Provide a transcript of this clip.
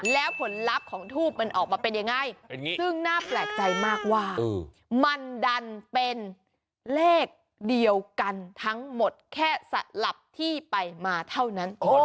แล้วผลลัพธ์ของทูปมันออกมาเป็นยังไงซึ่งน่าแปลกใจมากว่ามันดันเป็นเลขเดียวกันทั้งหมดแค่สลับที่ไปมาเท่านั้นเอง